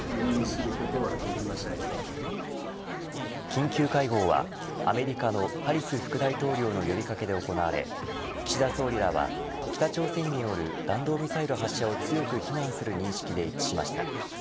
緊急会合はアメリカのハリス副大統領の呼び掛けで行われ岸田総理らは北朝鮮による弾道ミサイル発射を強く非難する認識で一致しました。